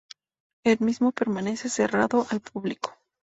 El mismo permanece cerrado al público.